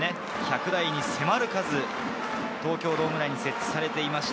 １００台に迫る数、東京ドーム内に設置されています。